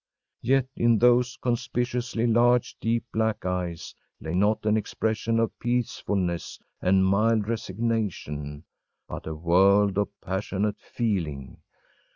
Yet in those conspicuously large, deep black eyes lay not an expression of peacefulness and mild resignation, but a world of passionate feeling.